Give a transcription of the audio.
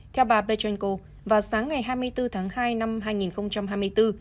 theo bà petronko vào sáng ngày hai mươi bốn tháng hai năm hai nghìn hai mươi bốn